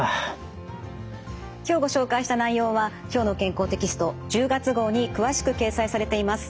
今日ご紹介した内容は「きょうの健康」テキスト１０月号に詳しく掲載されています。